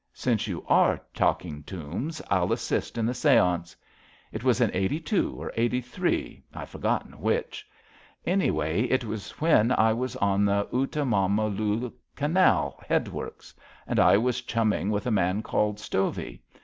Since you are talking tombs, I'll assist at the seance. It was in '82 or '83, 1 have forgotten which. Anyhow, it was when I was on the Utamamula Canal Headworks, and I was chumming with a man called Stovey.